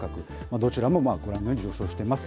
どちらもご覧のように上昇してます。